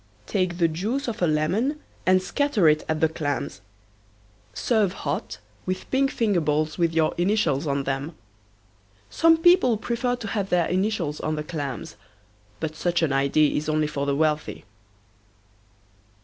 Take the juice of a lemon and scatter it at the clams. Serve hot, with pink finger bowls with your initials on them. Some people prefer to have their initials on the clams, but such an idea is only for the wealthy.